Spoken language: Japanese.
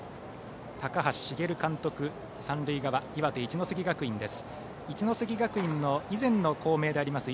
高橋滋監督、三塁側岩手の一関学院です。